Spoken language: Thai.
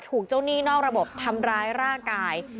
ถูกเจ้าหนี้นอกระบบทำร้ายร่างกาย